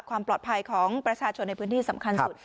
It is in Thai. ความปลอดภัยของประชาชนในพื้นที่สำคัญสุด